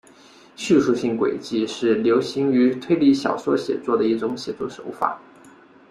叙述性诡计是流行于推理小说写作的一种写作手法。